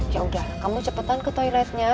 ya udah kamu cepetan ke toiletnya